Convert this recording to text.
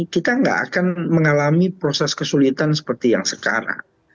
kita tidak akan mengalami proses kesulitan seperti yang sekarang